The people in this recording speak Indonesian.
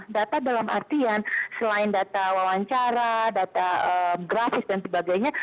data dalam artian selain data wawancara data grafis dan sebagainya